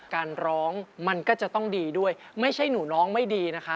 การร้องมันก็จะต้องดีด้วยไม่ใช่หนูร้องไม่ดีนะคะ